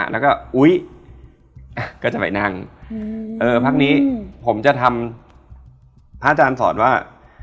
แล้วก็อุ๊ยก็จะไปนั่งเออพักนี้ผมจะทำพระอาจารย์สอนว่า